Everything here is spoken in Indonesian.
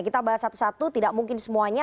kita bahas satu satu tidak mungkin semuanya